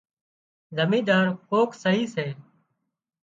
زمينۮار ڪوڪ سئي سي